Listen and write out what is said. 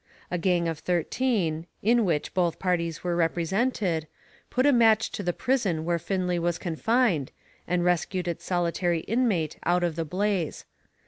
A gang of thirteen, in which both parties were represented, put a match to the prison where Findlay was confined, and rescued its solitary inmate out of the blaze.